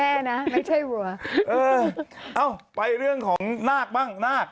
เอ้อไปเรื่องของนากบ้าง